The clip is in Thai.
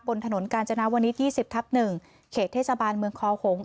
บนถนนกาญจนาวนิท๒๐ทับ๑เขตเทศบาลเมืองคอหงษ